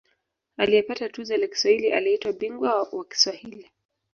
Aliyepata tuzo la Kiswahili aliitwa ‘Bingwa wa Kiswahili’.